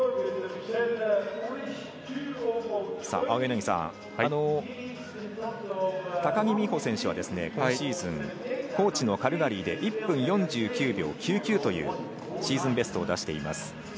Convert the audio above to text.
青柳さん、高木美帆選手は今シーズン、高地のカルガリーで１分４９秒９９というシーズンベストを出しています。